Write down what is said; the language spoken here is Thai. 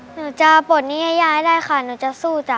หนูจะปลดนิยายาให้ได้ค่ะหนูจะสู้จ้ะ